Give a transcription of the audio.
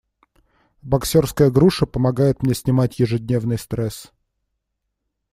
Боксёрская груша помогает мне снимать ежедневный стресс.